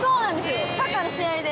サッカーの試合で。